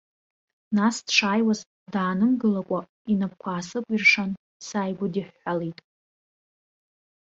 Нас, дшааиуаз, даанымгылакәа, инапқәа аасыкәыршан сааигәыдиҳәҳәалеит.